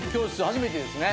初めてですね。